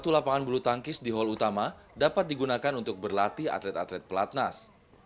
dua puluh satu lapangan belutangkis di hal utama dapat digunakan untuk berlatih atlet atlet pelatnas